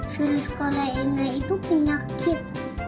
virus corona itu penyakit